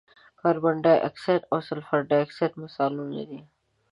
کاربن ډای اکسایډ او سلفر ډای اکساید مثالونه دي.